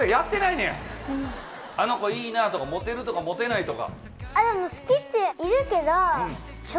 あの子いいなとかモテるとかモテないとか。